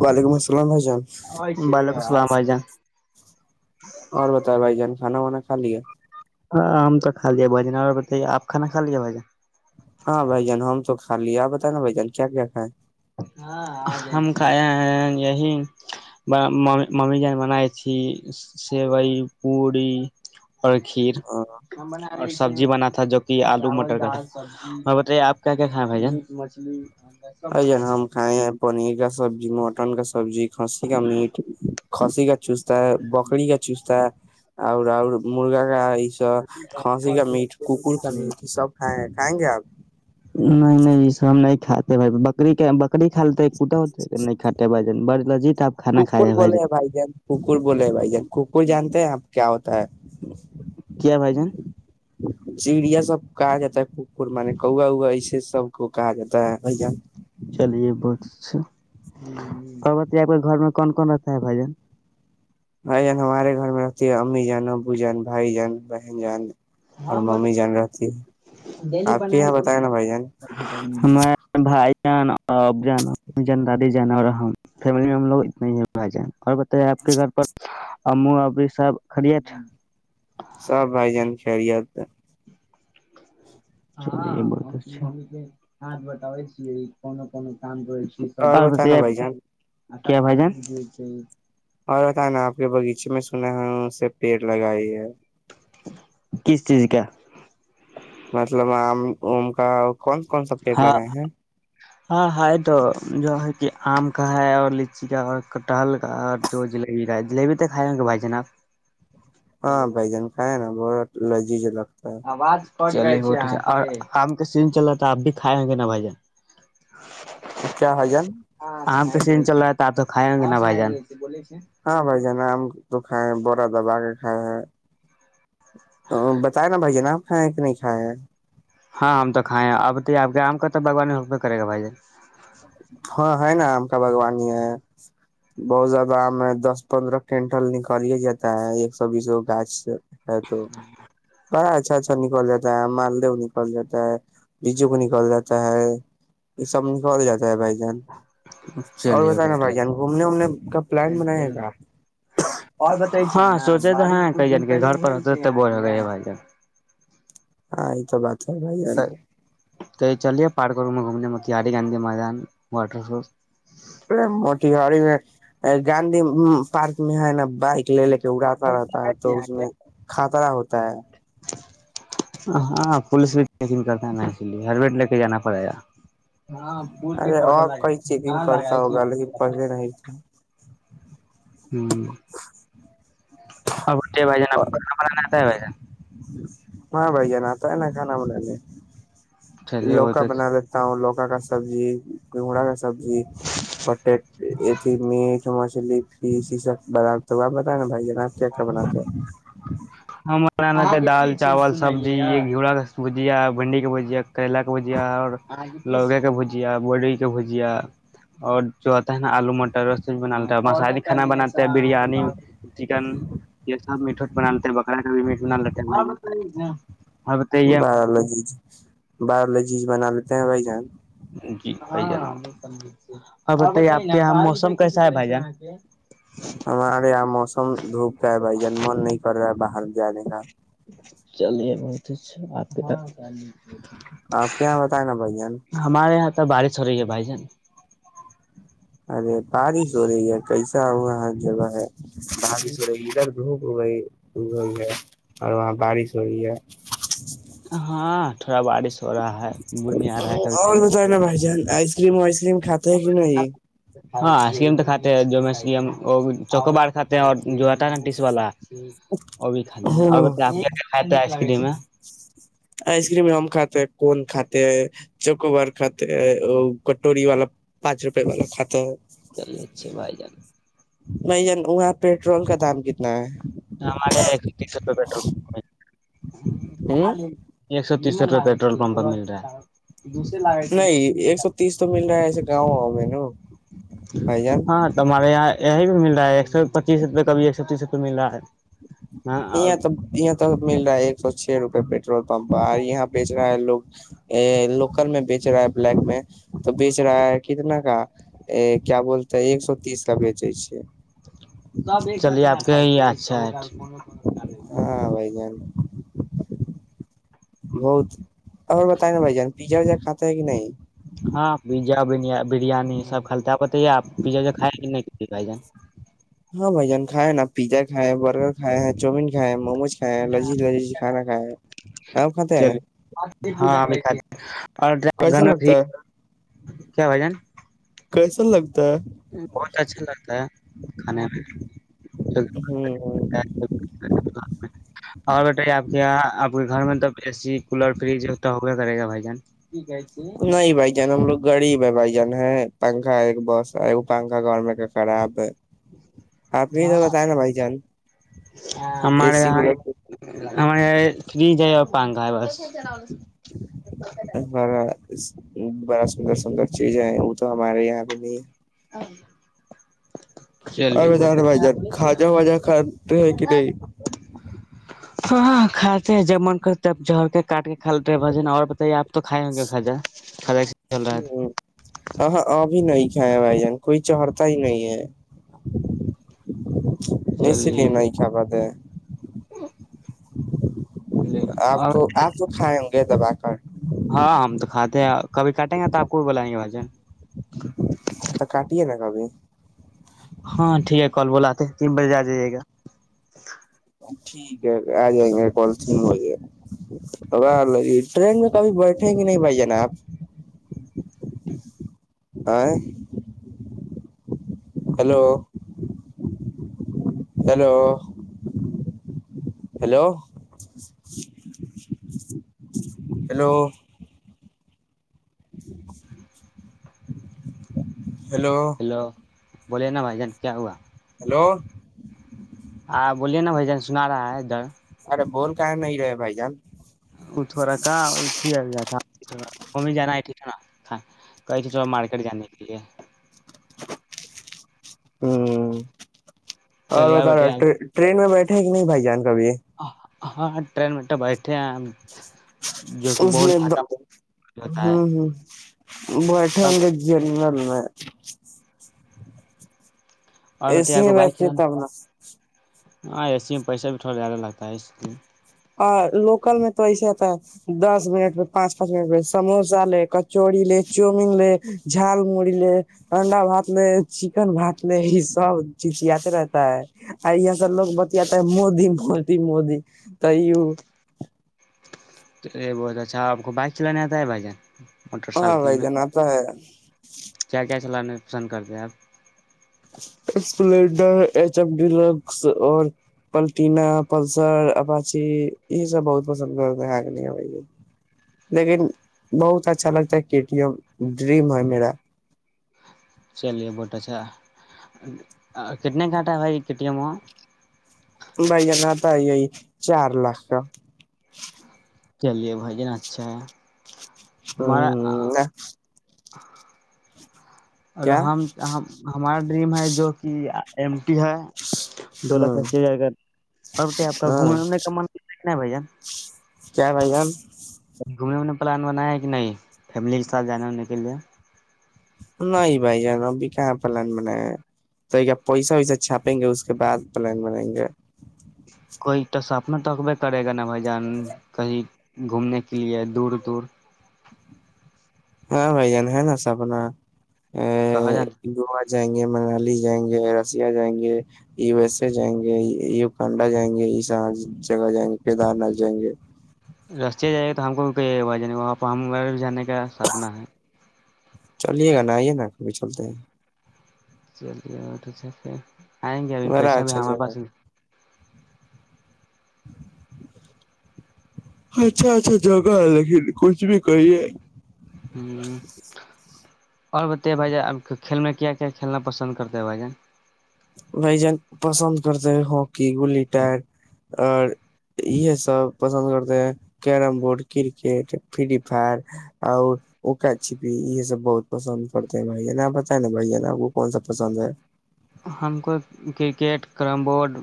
وعلیکم السلام بھائی جان وعلیکم السلام بھائی جان اور بتائے بھائی جان کھانا وانا کھا لیا ہاں ہم تو کا لیا بھجن اور بتائیے آپ کانا کھا لیا بھجن ہاں بھائی جان ہم چوک خال لی آپ بت نا بھ جان کیا کائے ہاں ہم کھائے ہیں یہی ممی ج بنائے تھی سیوئی پوڑی اور کھیر اور سبزی بنا تھا جو کہ آلو مٹر کا تھا میں بتائیے آپ کیا کیا کھائے بھائی جان مچھلی ا جا ہم کھائے ہیں پنیر کا سبزی مو کٹن کا سبزی کھسی کا میٹ کھسی کا چوستتا ہے بکری کا چوستتا ہے اوراؤ مرگا کا س کھانسی کا میٹ ککر کا میٹ سب کھ ہ گے آپ [inaudible] نہیں نہیں یہ سامنے کات بکر بکریا لیتے تو کٹا ہو نہیں کھٹے بھ بڑ لذیت ککر بولے ہیں بھائی جان ککر بولے ہیں بھائی جان ککر جانتے ہیں آپ کیا ہوتا ہے کیا بھائی جان چڑیا سب کہا جاتا ہے کک مان کوا اا ایسے سب کو کہا جاتا ہے بھیا چلیے بہت اچھا اور بتے گھر میں کون کون رہتا ہے بھائی جان ہائی جان ہمارے گھر میں رہتی ہے امی جان ابو جان بھائی جان بہن جان اور ممی جان رہتی ہے ڈ ب آپ کے یہاں بتائے نا بھائی جان ہمار بھائی ا جان جان دادی ج اور فیم میں ہم لوگ اتنا ہی ب جائیں اور بتائی آپ کے گھر پر اب سب خریت سب بائی جان خیریت ہاں ش کے ہٹ بٹو ک ک اور کام بتائے نا بھائی جان [unintelligible] کیا بھائی جان اور بت نا آپ کے بغیچے میں سنا ہے اس سے پیڑ لگائی ہے کس چیز کا مطلب آم ام کا کون کون سا پیٹ ہاں لگائے ہیں ہاں ہ تو جو ہے کہ آم کا ہے اور لچی کا اور کٹہل کا اور جو جلیبی کا ہے جلیبی تو کھائے بھائی جناب ہاں بائی جان کیں نا بت لازی جلک [unintelligible] آواز [unintelligible] اور کام کا سیزن چل رہا تھا اپ بھی کھائے ہ گے نا بھ جان [unintelligible] چار ہ جار [unintelligible] ری چل رہا تھا آ تو کھیں گے نہا بائی جانیںے [unintelligible] ہاں بھائی جانا آم [unintelligible] تو کھائے ہیں بورا دبا کے کائے ہیں [unintelligible] ا بتائے نا بھائی ج ناب ہاں کہ نہیں کھائے ہیں [unintelligible] ہاں ہم تو کھائے ہیں اب ت آپ کے ہم کا تو بگوان حہ کرے گا بھائی ج ہاں ہے نا آم کا باگوانی ہے بہت زیادہ آم ہے دس پندرہ کوئنٹل نکالیا جاتا ہے ایک سو بیس گو گاچھ ہ تو [unintelligible] بڑا اچھا اچھا نکل جا ہے مالدو نکل جاتا ہے رجو کو نکل جاتا ہے یہ سب [unintelligible] س جاتا ہے بائی جان [unintelligible] اور چلیے بتانا بہت بھائی جان گھومنے وومنے کا پلان بنائے گا ہاں سوچے تو ہیں کہ کہ گھر پر ہوتے بور ہو گئے بھائی جان [unintelligible] آئیت تو بات [unintelligible] اچھا بھائی [unintelligible] کہ چلیے پارکروں میں گھومنے میں ک ہاری گاندھی میدان واٹر ف موٹی گڑی میں گاندھی پارک میں ہے نا بائک لے لے کے اڑاتا رہتا ہے تو اس میں خطرہ ہوتا ہے [unintelligible] ہاں پولیس بھی چیکنگ کرتا ہے نا اس لیے ہر ویٹ لے کے جانا پڑے گا ارے اور کئی چیکنگ کرتا ہوگا لیکن پلے نہیں تھا ہوں ا جے بے نا اور پ ما نتا ہے با [unintelligible] ہ بڑ نتا ان خان م لیے جان چلیے بہت لوکا اچھا بنا دیتا ہوں لوکا ا کا سبزی گھگڑا کا سبزی پٹی ا میٹ مچھلی فس یہ سب بپ بت نا بھائی [unintelligible] ن چ کا بنا تو [unintelligible] ہاں [unintelligible] بنانا دال چاول سبزی گھیڑا بھجیا بھنڈی کا بھجیا کریلا کا بھجیا اور لوکے کا بھجیا بوری کے بھجیا اور جو آتا ہے نا آلو مٹر سب بنتا مسالی کانا بناتا ہے بریانی چکن یہ سب میٹھاٹ بن [unintelligible] بکرا کا بھی مٹون [unintelligible] باولوجیز بایولوجیز بنا لیتے ہیں بھائی ج جی ب لیجے اور بتائیے آپ کے یہاں موسم کسا ہے بجا ہمارے یہاں موسم دھوپ کا ہے بھائی جان من نہیں کر رہا ہے باہر جائےے گا چلیے بہت اچھا آپ کے آاں پں بت ہےا بھیا ت بڑ چو رہی ہے بائی جان ارے بارش ہو رہی ہے کیسا ہوا ہاں جگہ ہے بادشور یہیررد ہوی ہوئی ہے اور وہاں بارش ہوئی ہے ہاں تھوڑا بارش ہو رہا ہے گڑ نہیں آ رہا ہے کبھی اور کبھی۔ ہوتا ہے نا بائی جان آئی ری میں م کات ہیں کہ نہیں ہاںسکم تو کاتے ہیں جوم چوکو باڑ کھاتے ہیں اور جو آتا ہے نا ٹیس والا اب خان اور ب ہاں میں آئس کریم ہم کاتے ہیں کون کاتے ہیں چکوبار کاتے ہیں کٹوری والا پانچ روپے والا کھاتے ہیں چلیے اچھے بھائی جان ب وہاں پیٹرول کا دام کتنا ہے ہم ہمارے تیس روپئے پٹرول ہ [inaudible] ایک سو تیسو روپ پٹرول پمپ مل رہا ہے نہیں ایک سو تیس تو مل رہا ہے ایسے ج ا ن ہاں توارے یہ یہ بھی مل ایک سو پچیس روپئے کبھی ایک سو تیس روپئے ملا ہے ہاں اور یہاں تو یہاں تو مل رہا ہے ایک سو چھ روپے پیٹرول پمپ یہاں بیچ رہا ہے لوگ ا لوکل میں بیچ رہا ہے بلیک میں تو بیچ رہا ہے کتنا کا ا کیا بولتے ایک سو تیس کا بیچے چلیے آپ کے ف چال ہاں بھائی جان بہت ا میں ت ن بائی جان پیزا وا کاتتا ہے کہ نہیں ہاں پیزا بریانی سب کھلتا تو یہپ پیزا تو کائےیں کہ نہیں ک بھائی جان ہاں بھائی جان کھائے نا پیزا کھائے ہیں برگر کھائے ہیں چاؤمین کھائے مموج کائے لذیج لذیج کھانا کائے ہاں وہ کھات ہیں چلیے ہاں ابھی کھاتے اور ڈرائی کیسا دھنو ج لگتا ہے کیا بجان [unintelligible] کیسا لگ [unintelligible] بہت اچھا لگتا ہے کھانے میں ہوں [unintelligible] اور بتائیے آپ کے یہاں پور گھر میں توب اے سی کولر فریج تو ہوبے کرے گا بائی جان [unintelligible] نہیں بھائی جان ہم لوگ غریب ہے بھائی جان ہ پنکھا ایک بس ہے وہ پنکھا گور میں کا خراب ہے [unintelligible] تو ہاں بتائے نا بھائی جان اے ہمارے سی کولر ہم یہ فریج ہے [unintelligible] پنگا ہے بس [unintelligible] چل [unintelligible] بڑا بڑا سندر سندر چیزیں ہیں وہ تو ہمارے یہاں پہ نہیں [unintelligible] اور چلیے ب ج بہت رہے بھائی جان خجا وجا کان ہے کہ نہیں ہاں ہاں کھاتے جب من کر تب جڑتے [unintelligible] کاٹ کے کھل رہے ہیں بھجن اور بتائیے آپ تو کھائے ہوں گے کجا کجا چل رہا ہے بھی نہیں کھا بھائی جان کوئی چڑھتا ہی نہیں ہے [unintelligible] جس لی نئیخ بادے [unintelligible] ہ [inaudible] آپ اور تو آپ تو کھائے ہوں گے دب ہاں ہم تو کھاتے ہیں کبھی کاٹیں گے تو آپ کو بھی [inaudible] ہاں تو کاٹیے نا کبھی [unintelligible] ہاں ٹھیک ہے کال بلااتتے تین بجے آ جائیے گا ٹھیک ہے آ جائیں گے پ وغہ ہ لگ [unintelligible] ٹرین میں کبھی بیٹھے گ نہیں بھائی جناب [unintelligible] آ [unintelligible] hello [unintelligible] hello hello hello [unintelligible] [inaudible] hello [unintelligible] بولے نا بھائی جان کیا ہوا [unintelligible] ہیلو [unintelligible] ہاں بولیے نا بھ جان سنا رہا ہے ادھر بول کہاں نہیں رہے بائی جان کچھ ہو رہا کہاں ہو ات ہے اںا وہ جانا ہے تھی تھ نا کہئی تھی تھوڑا مارکیٹ جانے کے لیے ہوں اور چلیے بتا بیٹے رہا ٹرین میں بیٹھے ہیں کہ نہی بیٹھے ہیں کبھی ہاں ٹرین میں تو بیٹھے ہیں جو کہ بہت بھاکا ہوتا ہے بیٹھے اور ہوں گے جنرل میں اور بیٹے اسیے آپ ہی کو بائک بیچےتا کھلانا اپنا ہاں ای میں پیسہ بھی تھوڑا زیادہ لگتا ہے اس لی اور لوکل میں تو ایسےتا ہے دس منٹ پہ پانچ پانچ منٹ پہ سموسا لے کچورڑی لے چاؤمین لے جھال مڑی لے انڈا بھات لے چکن بھات لے یہ سب چیزیاتے رہتا ہے یہ س لوگ بتیاتا ہے مودی مودی مودی قیو یہ بت اچھا آپ کو بائک چلانے آتا ہے بھائی جان موٹر ہاں سائیکل بھائی جان اتا ہے سینڈ کر دیا سپلنڈر ایچ ایف ڈیلر اور پلیٹینا پلسر اپاچی یہ سب بہت پسند کرتے ہیں لیکن بہت اچھا لگتا ہے کے ٹی ایم ڈریم ہے میرا چلیے بہٹ اچھا کتنے گھنٹہ ہے بھائی کے ٹی ایم ہو بھائی جان اتا ہے یہی چار لاکھ کا چلیے بھائی د اچھا ہے ہمارا ہ [unintelligible] اور کیا ہم ہمارا ڈریم ہے جو کہ ایم دو ہ لاکھ اسسی ہزار کا اب کیا اپ ہاں کا نہیں بھ جن کیا بھ جان گھومنے ونے پلان بنایا ہے کہ نہیں فیملی کے ساتھ جانے ہونے کے لیے نہیں بھائی جان ابھی کہاں پلان بنایا تو کیا پیسہ ویسہ چھاپیں گے اس کے بعد پلان بنائیں گے کوئی تو سپنا توکبے کرے گا نا بھائی جان کہیں گھومنے کے لیے دور دور ہاں بائی جان ہے نا سپنا ا کہاں جانا [unintelligible] جائیں گے منالی جائیں گے رسیا جائیں گے یو ایس اے جائیں گے یوکانڈا جائیں گے یہ س جگہ جائیں گے کیدار ناتھ جائیں گے رسیا جائی گے تو ہم کو بھی کوئی وجہ نہیں وہاں پ ہمیرہ بھی جانے کا سامنا ہے چلیے گا نا آئیے نا کبھی چلتے ہیں چلیے آئیں گے ابھی بڑا پیسہ بھی اچھا ہمارے پاس جگہ اچھا اچھا جگہ ہے لیکن کچھ بھی کہئی ہے ہوں اور بتائیے بھائی ج آپ کھیل میں کیا کیا کھیلنا پسند کرتے ہیں بھائی جان بھائی جان پسند کرتے ہیں ہکی گلیی ٹر اور یہ سب پسند کرتے ہیں carrom board cricket free fire اور اکا چھپی یہ سب بہت پسند کرتے ہیں بھائی جان آپ پتائ نا بھ جان آپ کون سا پسند ہے ہم کو کرکٹ کرم بورڈ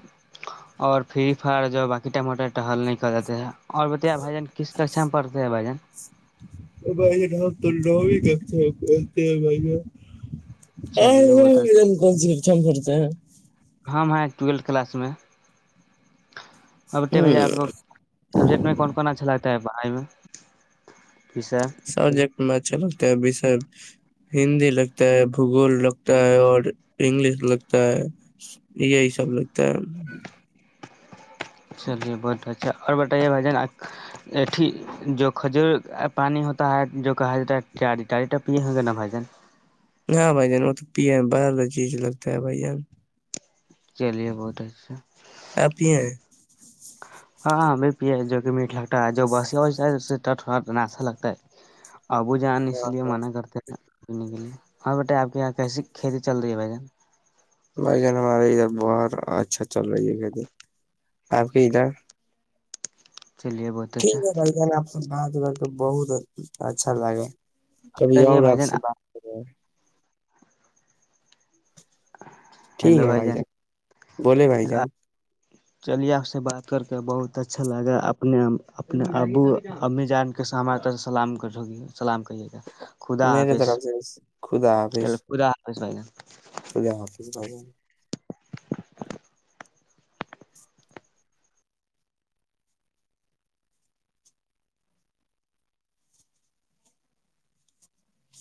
اور فری فائر جو باقی ٹموٹٹ حل نہیں کر دیتے ہیں اور بتیا بھائی جان کس کا اچھا میں پڑتے ہیں بھ جان بھائی تو ل ہی کہتے ہیں کہتے ہیں بھائی یہ چلیے وہ تو ا کون س چ ج ہ ٹیلتھ ک میں ابتے بھ ہیں آپ کو سبجیکٹ میں کون کون اچ چا بائی میں وشے سبجیکٹ میں اچھا لگتے ہے ہندی لگتا ہے بھگول لگتا ہے اور انگلش لگتا ہے یہی سب لگتا ہے چلیے بہت اچھا اور بتائیے بھائی جان ایٹھی جو کھجور پانی ہوتا ہے جو کہا ج ہے ٹاریی ا پیے ہوں گے نا بھائی جان ہاں بھائی جان وہ تو پی باہر چیز لگتا ہے بھائی جان چلیے بہت اچھا آپ پیے ہیں ہاں ہم بھی پ جو کہ میٹ لگتا ہے جو بسی اس سےٹٹ ناشا لگتا ہے ابو جان اس ہاں لیے منع کرتے تھ پنے کے لیے ہاں بیٹا آپ کے یہاں کیسی کھیتی چل رہی ہے بھائی جان بھ جن ہمارے ادھر بہت اچھا چل رہی ہے ک دن آپ کی ادھر چلیے بہت اچا ٹھیک ہے بھائی جان آپ بات گات کے بہت اچھا لگا کبھی اچھا یہ اور بھائی آپ جان سے بات کر رہے ہیں ٹھیک ہے بھائی جان بولے بھائی جان چلیے آپ سے بات کر کے بہت اچھا لگا اپنے اپنے ابو امی جان کے س ہمار طرح سلامی سلام کریے گا خدا میرے حافظ طرف سے خدا حافظ کس بھ گا خلہ حافظ رہا